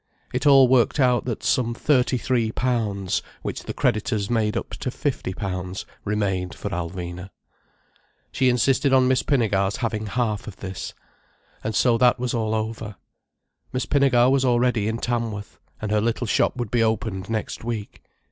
It all worked out that some thirty three pounds, which the creditors made up to fifty pounds, remained for Alvina. She insisted on Miss Pinnegar's having half of this. And so that was all over. Miss Pinnegar was already in Tamworth, and her little shop would be opened next week.